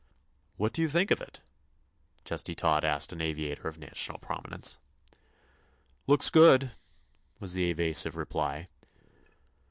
"What do you think of it?" Chesty Todd asked an aviator of national prominence. "Looks good," was the evasive reply.